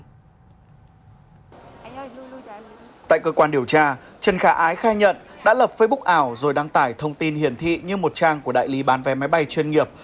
tại cơ quan điều tra trần khả ái khai nhận đã lập facebook ảo rồi đăng tải thông tin hiển thị như một trang của đại lý bán vé máy bay chuyên nghiệp